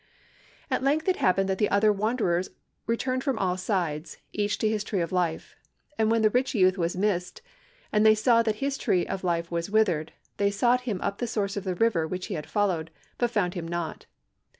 "At length it happened that the other wanderers returned from all sides, each to his tree of life; and when the rich youth was missed, and they saw that his tree of life was withered, they sought him up the source of the river which he had followed, but found him not.